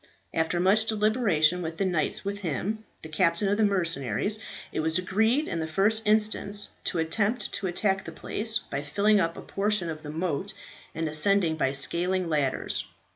After much deliberation with the knights with him and the captain of the mercenaries, it was agreed in the first instance to attempt to attack the place by filling up a portion of the moat and ascending by scaling ladders.